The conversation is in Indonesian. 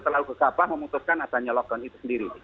terlalu gegabah memutuskan adanya lockdown itu sendiri